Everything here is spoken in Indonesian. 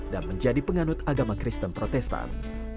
dan menjadi penganut agama kristen protestan